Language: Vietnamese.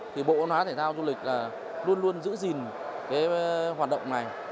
các thể thao du lịch luôn luôn giữ gìn hoạt động này